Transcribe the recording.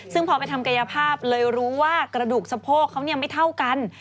ซึ่งพอไปทำกายภาพเลยรู้ว่ากระดูกสะโพกเขาไม่เท่ากัน